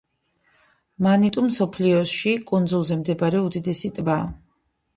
მანიტუ მსოფლიოში კუნძულზე მდებარე უდიდესი ტბაა.